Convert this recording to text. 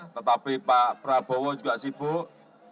tetapi pak prabowo juga sibuk